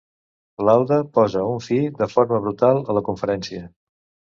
Lauda posa un fi de forma brutal a la conferència.